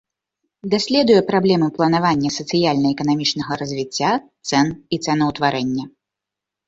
Даследуе праблемы планавання сацыяльна-эканамічнага развіцця, цэн і цэнаўтварэння.